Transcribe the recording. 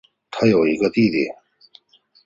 她有一个弟弟。